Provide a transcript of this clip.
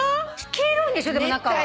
黄色いんでしょ中は。